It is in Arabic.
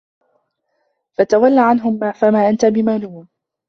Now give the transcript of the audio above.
فَتَوَلَّ عَنهُم فَما أَنتَ بِمَلومٍ